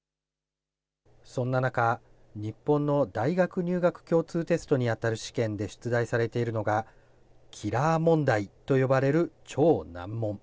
そんな中、日本の大学入学共通テストに当たる試験で出題されているのが、キラー問題と呼ばれる超難問。